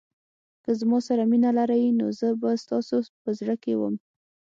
که زما سره مینه لرئ نو زه به ستاسو په زړه کې وم.